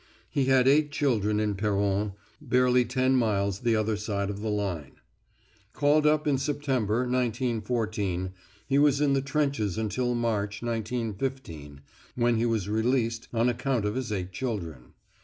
He had eight children in Peronne, barely ten miles the other side of the line. Called up in September, 1914, he was in the trenches until March, 1915, when he was released on account of his eight children.